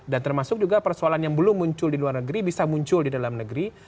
termasuk juga persoalan yang belum muncul di luar negeri bisa muncul di dalam negeri